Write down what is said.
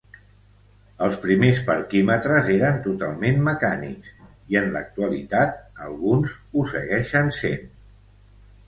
Els primers parquímetres eren totalment mecànics i en l'actualitat alguns ho segueixen sent.